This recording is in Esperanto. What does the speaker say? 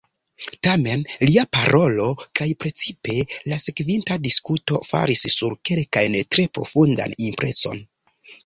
Tamen lia parolo, kaj precipe la sekvinta diskuto, faris sur kelkajn tre profundan impreson.